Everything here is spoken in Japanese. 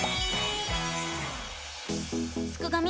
すくがミ！